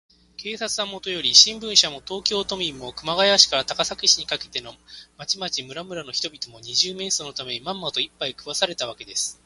警察はもとより、新聞社も、東京都民も、熊谷市から高崎市にかけての町々村々の人々も、二十面相のために、まんまと、いっぱい食わされたわけです。